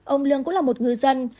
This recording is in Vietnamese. ông lương cũng là một ngư dân